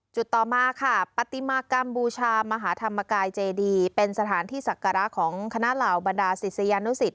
ต่อมาค่ะปฏิมากรรมบูชามหาธรรมกายเจดีเป็นสถานที่ศักระของคณะเหล่าบรรดาศิษยานุสิต